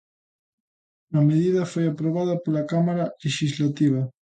A medida foi aprobada pola Cámara lexislativa.